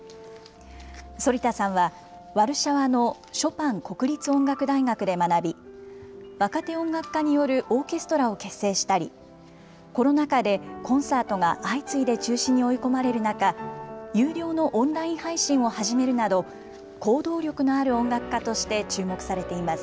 反田さんは、ワルシャワのショパン国立音楽大学で学び、若手音楽家によるオーケストラを結成したり、コロナ禍で、コンサートが相次いで中止に追い込まれる中、有料のオンライン配信を始めるなど、行動力のある音楽家として注目されています。